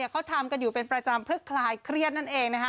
เป็นกำลังใจให้ทุกคนค่ะ